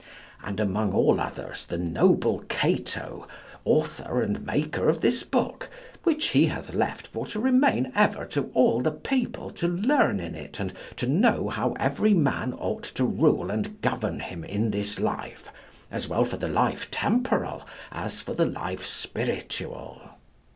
And among all others the noble Cato, author and maker of this book, which he hath left for to remain ever to all the people for to learn in it and to know how every man ought to rule and govern him in this life, as well for the life temporal as for the life spiritual.